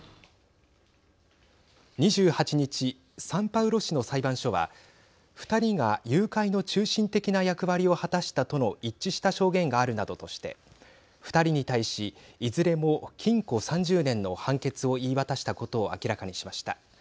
２８日サンパウロ市の裁判所は２人が誘拐の中心的な役割を果たしたとの一致した証言があるなどとして２人に対し、いずれも禁錮３０年の判決を言い渡したことを明らかにしました。